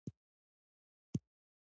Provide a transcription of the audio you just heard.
د اکثرو مقالو ټولګې،